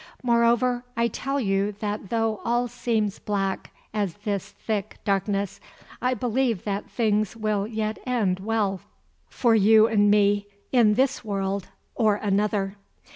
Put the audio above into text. Moreover, I tell you that though all seems black as this thick darkness, I believe that things will yet end well for you and me—in this world or another."